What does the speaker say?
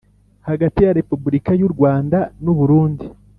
hagati ya Repubulika yu Rwanda nu Burundi